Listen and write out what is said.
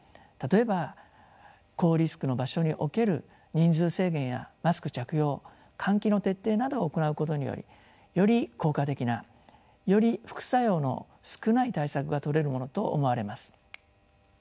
例えば高リスクの場所における人数制限やマスク着用換気の徹底などを行うことによりより効果的なより副作用の少ない対策がとれるものと思われます。